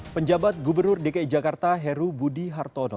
penjabat gubernur dki jakarta heru budi hartono